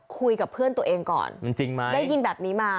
คุยกับเพื่อนตัวเองก่อนได้ยินแบบนี้มา